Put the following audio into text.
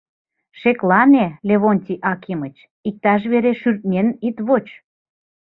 Шеклане, Левонтий Акимыч, иктаж вере шӱртнен ит воч.